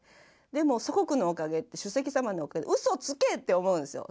でも祖国のおかげ主席様のおかげうそつけって思うんですよ。